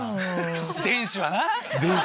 電子はな。